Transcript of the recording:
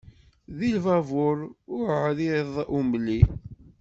Di lbabur uɛriḍ umli.